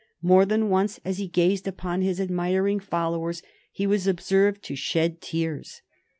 More than once as he gazed upon his admiring followers he was observed to shed tears.